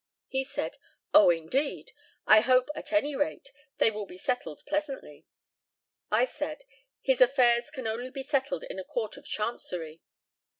He said, "Oh, indeed! I hope, at any rate, they will be settled pleasantly." I said, "His affairs can only be settled in a Court of Chancery."